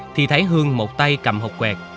thì thấy hương một tay cầm hộp quẹt